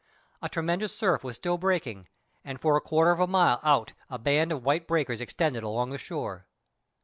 A tremendous surf was still breaking, and for a quarter of a mile out a band of white breakers extended along the shore.